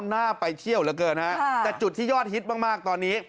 น่าไปเที่ยวเหลือเกินฮะแต่จุดที่ยอดฮิตมากตอนนี้